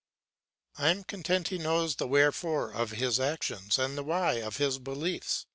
I am content if he knows the "Wherefore" of his actions and the "Why" of his beliefs.